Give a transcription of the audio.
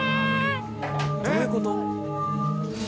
どういうこと？